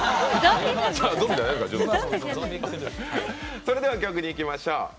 それでは曲にいきましょう。